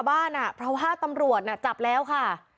กลับบ้านน่ะเพราะว่าตำรวจจับแล้วค่ะ